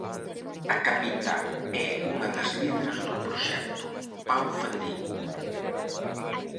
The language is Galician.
A capitá é unha das líderes do proxecto, Pau Fandiño.